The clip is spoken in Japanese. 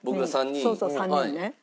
そうそう３人ね。